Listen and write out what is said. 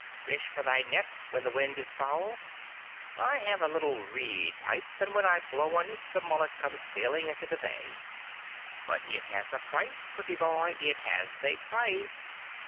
'Fish for thy net, when the wind is foul? I have a little reed pipe, and when I blow on it the mullet come sailing into the bay. But it has a price, pretty boy, it has a price.